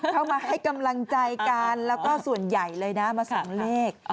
เข้ามาให้กำลังใจกันแล้วก็ส่วนใหญ่เลยนะมาส่องเลข